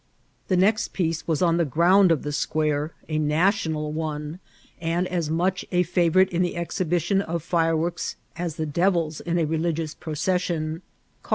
The next piece was on the ground of the square, a national one, and as much a favourite in the exhibition of fireworks as the devils in a religious procession, calU